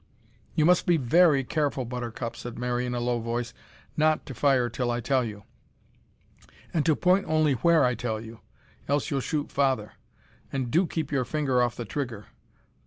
"You must be very careful, Buttercup," said Mary in a low voice, "not to fire till I tell you, and to point only where I tell you, else you'll shoot father. And do keep your finger off the trigger!